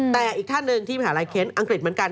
แต่อีกท่านหนึ่งที่มหาลัยเคนอังกฤษเหมือนกัน